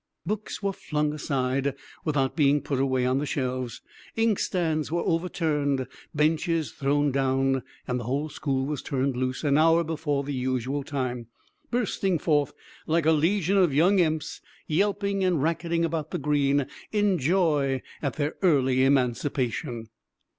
Books were flung aside, without being put away on the shelves; inkstands were overturned, benches thrown down, and the whole school was turned loose an hour before the usual time; bursting forth like a legion of young imps, yelping and racketing about the green, in joy at their early emancipation.